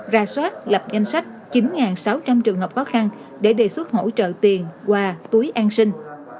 ra soát lập danh sách chín sáu trăm linh trường hợp khó khăn để đề xuất hỗ trợ tiền qua túi an sinh